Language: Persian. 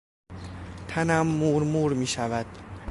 تنم مورمور میشود.